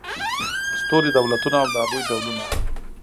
ستوري دولتونه او د هغوی ډولونه